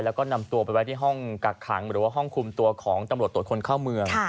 แล้วก็นำตัวไปไว้ที่ห้องกักขังหรือว่าห้องคุมตัวของตำรวจตรวจคนเข้าเมือง